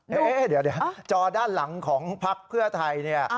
เดี๋ยวจอด้านหลังของพักเพื่อไทย